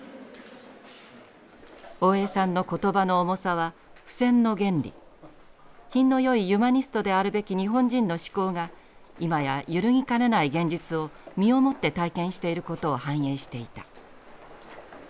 「大江さんの言葉の重さは不戦の原理品のよいユマニストであるべき日本人の思考が今や揺るぎかねない現実を身をもって体験していることを反映していた」。